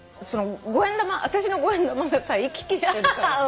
あたしの５円玉がさ行き来してるから。